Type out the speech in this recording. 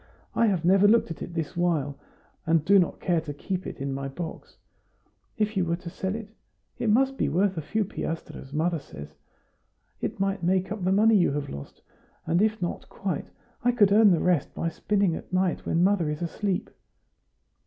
I have never looked at it all this while, and do not care to keep it in my box; if you were to sell it? It must be worth a few piastres, mother says. It might make up the money you have lost; and if not quite, I could earn the rest by spinning at night when mother is asleep."